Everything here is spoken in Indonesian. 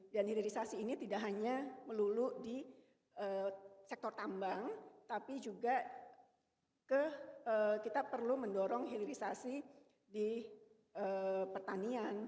dan hilirisasi ini tidak hanya melulu di sektor tambang tapi juga kita perlu mendorong hilirisasi di pertanian